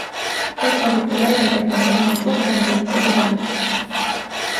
Ettevõte väidab, et nad on teinud rohkemgi, kui pidanuks.